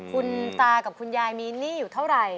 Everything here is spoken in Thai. คุณตากับคุณยายมีหนี้อยู่เท่าไหร่